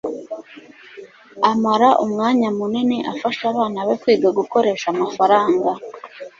amara umwanya munini afasha abana be kwiga gukoresha amafaranga